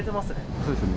そうですね。